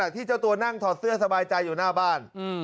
ที่เจ้าตัวนั่งถอดเสื้อสบายใจอยู่หน้าบ้าน